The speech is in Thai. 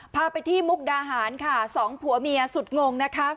พาไปที่มุกดาหารค่ะสองผัวเมียสุดงงนะคะ